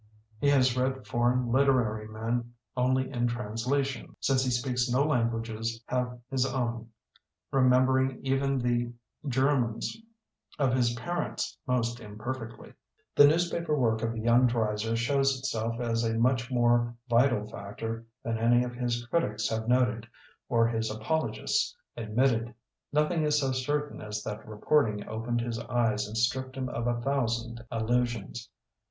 He has read foreign liter ary men only in translation, since he speaks no languages have his own, re membering even the German of his parents most imperfectly. ^ The newspaper work of the young Dreiser shows itself as a much more vital factor than any of his critics have noted or his apologists admitted. Nothing is so certain as that report ing opened his eyes and stripped him of a thousand illusions.